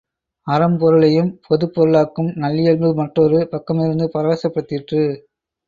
அரும்பொருளையும் பொதுப் பொருளாக்கும் நல்லியல்பு மற்றொரு பக்கமிருந் பரவசப்படுத்திற்று.